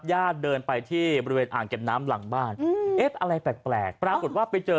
ญาติเดินไปที่บริเวณอ่างเก็บน้ำหลังบ้านเอ๊ะอะไรแปลกปรากฏว่าไปเจอ